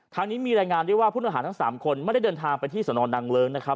ทางนี้มีแรงงานว่าผู้ตัดสาธารณ์ทั้ง๓คนไม่ได้เดินทางไปที่สนนังเลิ้ง